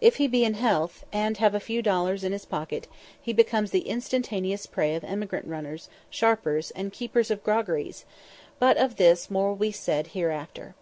If he be in health, and have a few dollars in his pocket, he becomes the instantaneous prey of emigrant runners, sharpers, and keepers of groggeries; but of this more will be said hereafter.